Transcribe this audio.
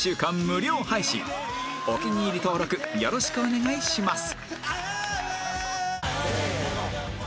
お気に入り登録よろしくお願いします